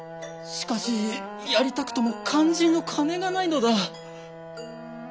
しかしやりたくとも肝心の金がないのだ。